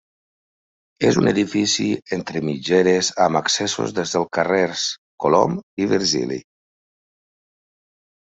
És un edifici entre mitgeres amb accessos des dels carrers Colom i Virgili.